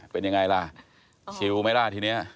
เป็นยังไงล่ะชิลไหมล่ะทีนี้